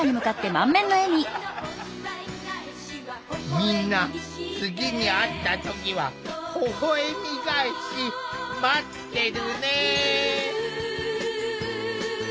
みんな次に会った時は「ほほえみがえし」待ってるね。